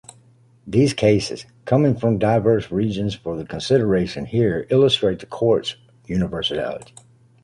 These cases, coming from diverse regions for the consideration here, illustrate the Court's universality.